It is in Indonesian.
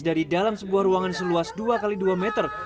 dari dalam sebuah ruangan seluas dua x dua meter